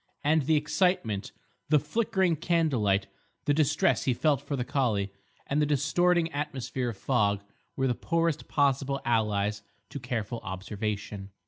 And the excitement, the flickering candlelight, the distress he felt for the collie, and the distorting atmosphere of fog were the poorest possible allies to careful observation.